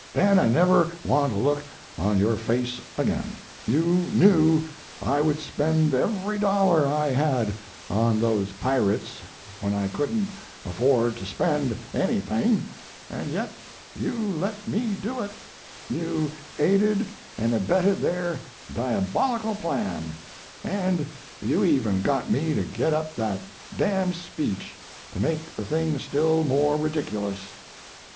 Dan, I never want to look on your face again. You knew I would spend every dollar I had on those pirates when I couldn't afford to spend anything; and yet you let me do it; you aided and abetted their diabolical plan, and you even got me to get up that damned speech to make the thing still more ridiculous.'